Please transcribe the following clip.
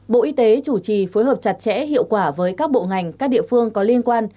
bộ y tế chủ trì phối hợp chặt chẽ hiệu quả với các bộ ngành các địa phương có liên quan